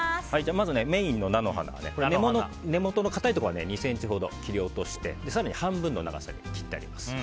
まずメインの菜の花根元の硬いところは２ｃｍほど切り落として更に半分の長さに切ってあります。